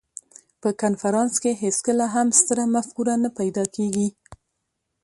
په کنفرانس کې هېڅکله هم ستره مفکوره نه پیدا کېږي.